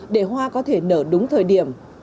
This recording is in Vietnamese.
để hoa có thể nở đúng thời điểm